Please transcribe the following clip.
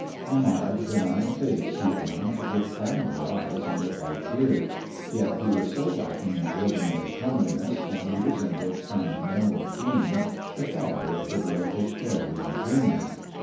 A mild, benign face he THE dwarf's chamber 35 owned, with kindly eyes and a white beard ; yet he was so lacking in ordinary comeliness that he resembled some gnome king, the father of the dwarfish faery in green.